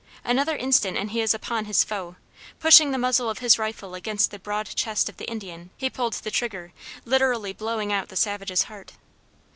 Another instant and he is upon his foe; pushing the muzzle of his rifle against the broad chest of the Indian he pulled the trigger, literally blowing out the savage's heart.